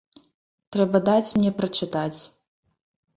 Трэба даць мне прачытаць.